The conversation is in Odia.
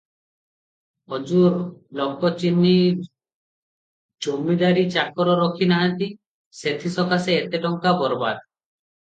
ହଜୁର ଲୋକ ଚିହ୍ନି ଜମିଦାରୀ ଚାକର ରଖି ନାହାନ୍ତି ସେଥି ସକାଶେ ଏତେ ଟଙ୍କା ବରବାଦ ।